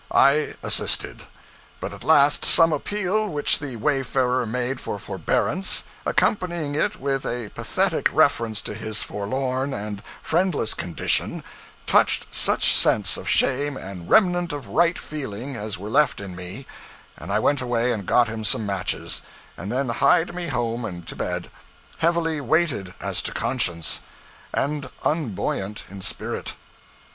I assisted; but at last, some appeal which the wayfarer made for forbearance, accompanying it with a pathetic reference to his forlorn and friendless condition, touched such sense of shame and remnant of right feeling as were left in me, and I went away and got him some matches, and then hied me home and to bed, heavily weighted as to conscience, and unbuoyant in spirit.